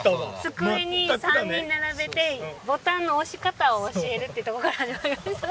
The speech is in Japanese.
机に３人並べてボタンの押し方を教えるってところから始まりました。